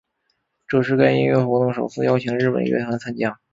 这是该音乐活动首次邀请日本乐团参加。